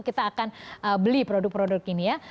kita akan beli produk produk ini ya